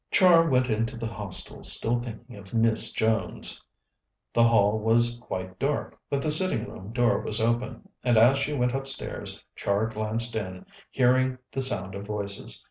Char went into the Hostel still thinking of Miss Jones. The hall was quite dark, but the sitting room door was open, and as she went upstairs Char glanced in, hearing the sound of voices.